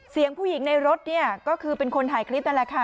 เสียงผู้หญิงในรถเนี่ยก็คือเป็นคนถ่ายคลิปนั่นแหละค่ะ